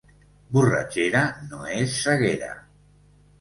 Borratxera no és ceguera.